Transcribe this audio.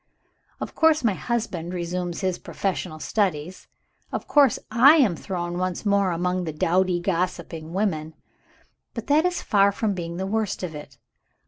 "Of course, my husband resumes his professional studies; of course, I am thrown once more among the dowdy gossiping women. But that is far from being the worst of it.